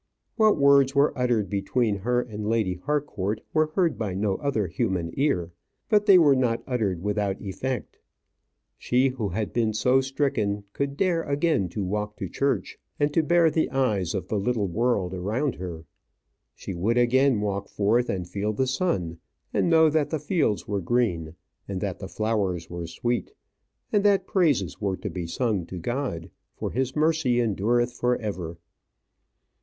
What words were uttered between her and Lady Harcourt were heard by no other human ear; but they were not uttered without effect. She who had been so stricken could dare again to walk to church, and bear the eyes of the little world around her. She would again walk forth and feel the sun, and know that the fields were green, and that the flowers were sweet, and that praises were to be sung to God. For His mercy endureth for ever.